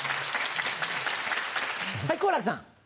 はい好楽さん。